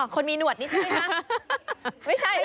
คนมีหนวดนี่ใช่ไหมคะ